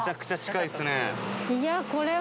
いやこれは。